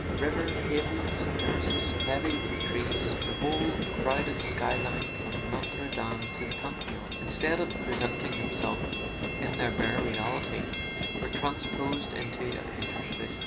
River, pavements, terraces heavy with trees, the whole crowded sky line from Notre Dame to the Pantheon, instead of presenting themselves in their bare reality, were transposed into a painter's vision.